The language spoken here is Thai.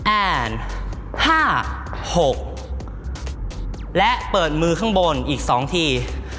แอ้น๕๖และเปิดมือข้างบนอีกสองที๗๘๑